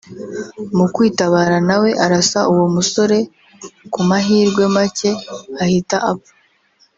mu kwitabara nawe arasa uwo musore ku mahirwe make ahita apfa